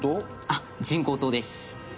あっ人工島です。